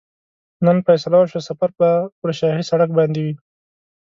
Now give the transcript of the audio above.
نن فیصله وشوه سفر به پر شاهي سړک باندې وي.